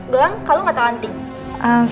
bilang kalau gak tau hunting